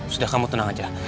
sudah kamu tenang aja